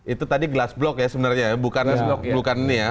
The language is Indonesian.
itu tadi gelas blok ya sebenarnya bukan ini ya